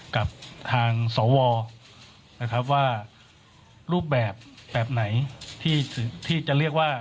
กับทางสวนะครับว่ารูปแบบแบบไหนที่จะเรียกว่า